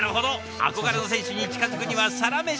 憧れの選手に近づくにはサラメシから！